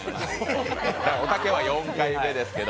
おたけは４回目ですけど。